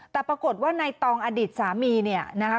แต่ปรากฏว่าในตองอดีตสามีเนี่ยนะคะ